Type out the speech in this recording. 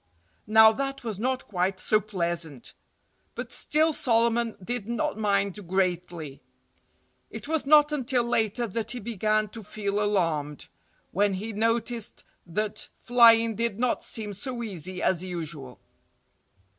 Now, that was not quite so pleasant. But still Solomon did not mind greatly. It was not until later that he began to feel alarmed, when he noticed that flying did not seem so easy as usual.